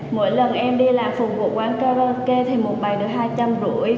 mỗi lần em đi làm phục vụ quán karaoke thì một bài được hai trăm linh rưỡi